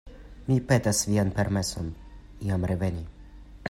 Mi petas vian permeson iam reveni.